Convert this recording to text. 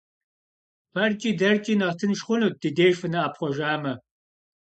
ФэркӀи дэркӀи нэхъ тынш хъунут ди деж фынэӀэпхъуэжамэ.